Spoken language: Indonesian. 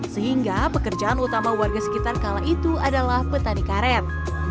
sehingga pekerjaan utama warga sekitar kala itu adalah petani karet